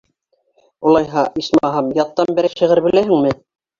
Улайһа, исмаһам, яттан берәй шиғыр беләһеңме?